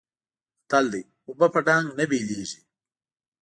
متل دی: اوبه په ډانګ نه بېلېږي.